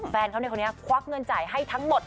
แฟนเขาในคนนี้ควักเงินจ่ายให้ทั้งหมด